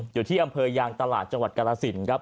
อยู่ที่อำเภอยางตลาดจังหวัดกรสินครับ